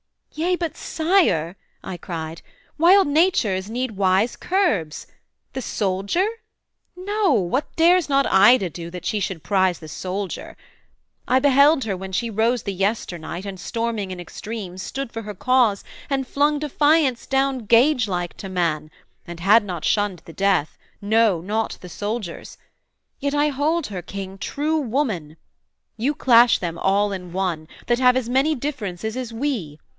'Yea but Sire,' I cried, 'Wild natures need wise curbs. The soldier? No: What dares not Ida do that she should prize The soldier? I beheld her, when she rose The yesternight, and storming in extremes, Stood for her cause, and flung defiance down Gagelike to man, and had not shunned the death, No, not the soldier's: yet I hold her, king, True woman: you clash them all in one, That have as many differences as we.